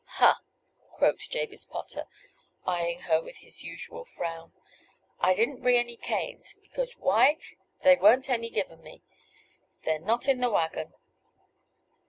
"Ha!" croaked Jabez Potter, eyeing her with his usual frown, "I didn't bring any canes; because why? There weren't any given me. They're not in the wagon."